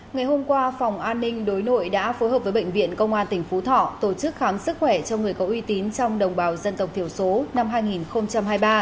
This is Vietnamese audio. ngày hôm qua phòng an ninh đối nội đã phối hợp với bệnh viện công an tỉnh phú thọ tổ chức khám sức khỏe cho người có uy tín trong đồng bào dân tộc thiểu số năm hai nghìn hai mươi ba